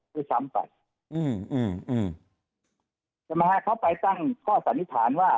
ด้วยซ้ำไปแต่มหาเขาไปตั้งข้อสันนิษฐานว่า